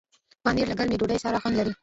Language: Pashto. پنېر له ګرمې ډوډۍ سره خوند لري.